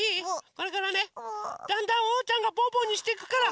これからねだんだんおうちゃんのぽぅぽにしていくから。